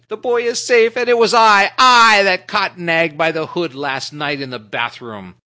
"The boy is safe, and it was I I I that caught Nag by the hood last night in the bathroom."